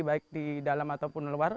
baik di dalam ataupun luar